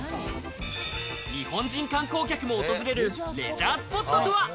日本人観光客も訪れるレジャースポットとは？